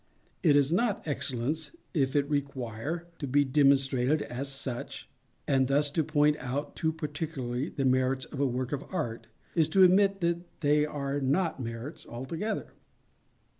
It is _not _excellence if it require to be demonstrated as such:—and thus to point out too particularly the merits of a work of Art, is to admit that they are _not _merits altogether.